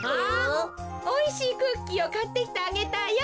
おいしいクッキーをかってきてあげたよ。